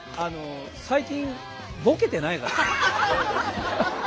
最近ボケてないから。